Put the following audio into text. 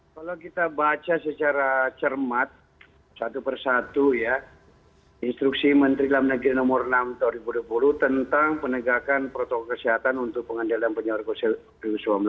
kalau kita baca secara cermat satu persatu ya instruksi menteri dalam negeri nomor enam tahun dua ribu dua puluh tentang penegakan protokol kesehatan untuk pengendalian penyakit covid sembilan belas